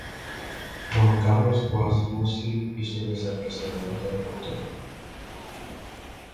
Juan Carlos Wasmosy y su vicepresidente Dr.